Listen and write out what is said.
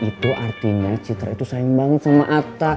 itu artinya citra itu saing banget sama atta